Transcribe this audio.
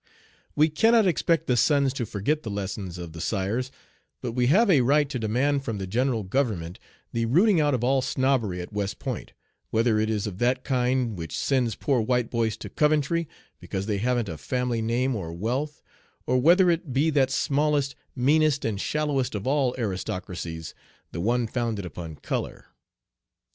We cannot expect the sons to forget the lessons of the sires; but we have a right to demand from the general government the rooting out of all snobbery at West Point, whether it is of that kind which sends poor white boys to Coventry, because they haven't a family name or wealth, or whether it be that smallest, meanest, and shallowest of all aristocracies the one founded upon color.